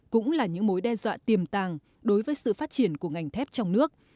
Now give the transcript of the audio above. cũng là những mối đe dọa tiềm tàng đối với sự phát triển của ngành thép trong nước